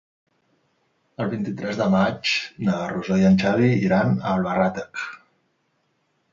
El vint-i-tres de maig na Rosó i en Xavi iran a Albatàrrec.